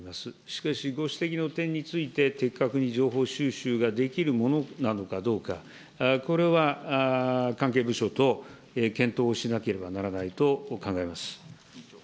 しかし、ご指摘の点について、的確に情報収集ができるものなのかどうか、これは関係部署と検討をしなければならないと考えます。